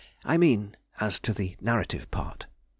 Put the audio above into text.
I mean as to the narrative part.